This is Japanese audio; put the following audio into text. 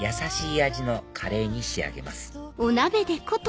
味のカレーに仕上げます